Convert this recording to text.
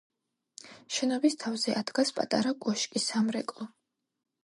შენობას თავზე ადგას პატარა კოშკი-სამრეკლო.